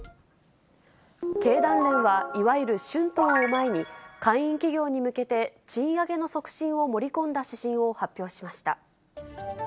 経団連はいわゆる春闘を前に、会員企業に向けて賃上げの促進を盛り込んだ指針を発表しました。